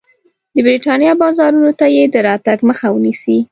د برېټانیا بازارونو ته یې د راتګ مخه ونیسي.